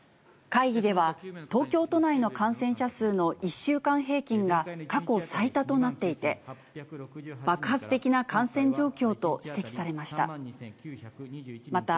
会議では東京都内の感染者数の１週間平均が過去最多となっていて、爆発的な感染状況と指摘されました。